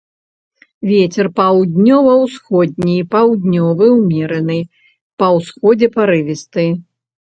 Вецер паўднёва-ўсходні, паўднёвы ўмераны, па ўсходзе парывісты.